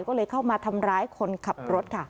ก็เลยเข้ามาทำร้ายคนขับรถค่ะ